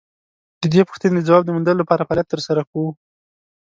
د دې پوښتنې د ځواب د موندلو لپاره فعالیت تر سره کوو.